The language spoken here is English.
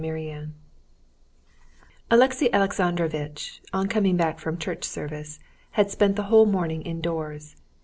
Chapter 8 Alexey Alexandrovitch, on coming back from church service, had spent the whole morning indoors.